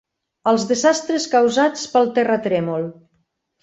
Els desastres causats pel terratrèmol.